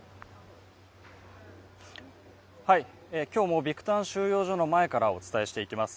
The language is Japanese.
今日もビクタン収容所の前からお伝えしていきます。